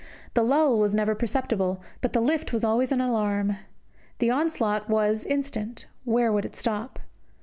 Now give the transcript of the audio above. The lull was never perceptible, but the lift was always an alarm. The onslaught was instant, where would it stop?